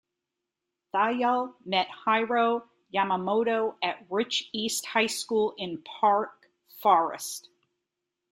Thayil met Hiro Yamamoto at Rich East High School in Park Forest.